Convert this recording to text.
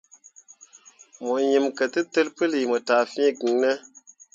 Mo yim ketǝtel puuli mo taa fĩĩ giŋ ne ?